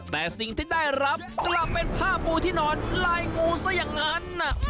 แต่สิ่งที่ได้รับกลับเป็นผ้าปูที่นอนลายงูซะอย่างนั้น